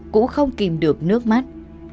cũng không kìm được nước mắt